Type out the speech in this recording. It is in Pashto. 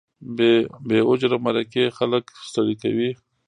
بې اجره مرکې خلک ستړي کوي.